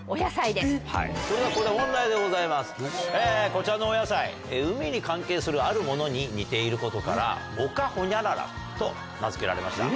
こちらのお野菜海に関係するあるものに似ていることからおかホニャララと名付けられました。